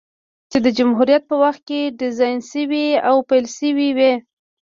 چې د جمهوريت په وخت کې ډيزاين شوې او پېل شوې وې،